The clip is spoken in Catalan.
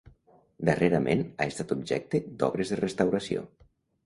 Darrerament ha estat objecte d'obres de restauració.